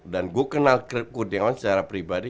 dan gue kenal kurniawan secara pribadi